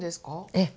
ええ。